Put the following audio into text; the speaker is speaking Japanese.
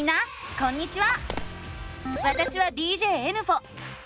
こんにちは！